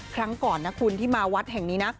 ครั้งก่อนนะคุณที่มาวัดแห่งนี้นะ